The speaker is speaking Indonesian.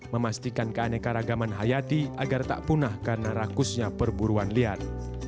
memastikan keanekaragaman hayati agar tak punah karena rakusnya perburuan liar